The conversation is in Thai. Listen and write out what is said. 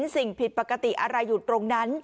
สิ่งผิดปกติอะไรอยู่ตรงนั้น